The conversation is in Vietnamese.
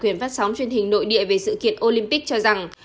thuyền phát sóng truyền hình nội địa về sự kiện olympic cho rằng